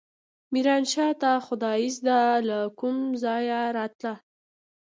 ميرانشاه ته خدايزده له کوم ځايه راته.